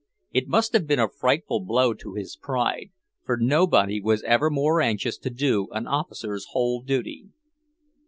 It must have been a frightful blow to his pride, for nobody was ever more anxious to do an officer's whole duty.